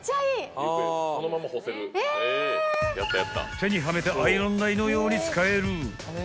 ［手にはめてアイロン台のように使える］